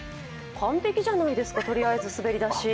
完璧じゃないですか、とりあえず滑り出し。